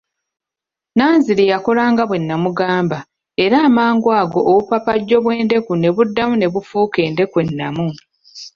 Nanziri yakolanga bwe baamugamba era amangu ago obupapajjo bw'endeku ne buddamu ne bufuuka endeku ennamba.